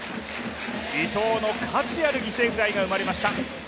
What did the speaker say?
伊藤の価値ある犠牲フライが生まれました。